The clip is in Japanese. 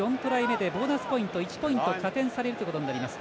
ボーナスポイント、１ポイント加点されるということになります。